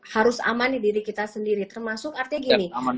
harus aman di diri kita sendiri termasuk artinya gini